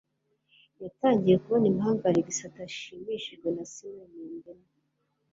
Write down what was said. Yatangiye kubona impamvu Alex atashimishijwe na Señor Medena.